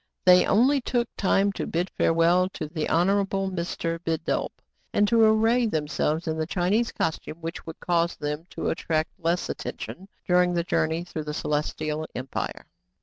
They only took time to bid farewell to the Honorable Mr. Bidulph, and to array themselves in the Chi nese costume, which would cause them to attract less attention during the journey through the Celestial Empire.